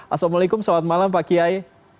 assalamualaikum selamat malam pak kiai